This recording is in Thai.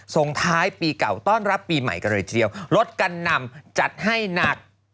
ส่งท้ายปีเก่าต้อนรับปีใหม่กันเลยทีเดียวรถกันนำจัดให้หนัก